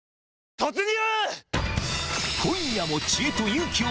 突入！